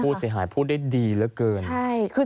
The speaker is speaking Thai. ลูกแบบสีหายผูกได้ดีเท่านั้น